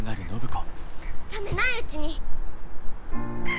冷めないうちに！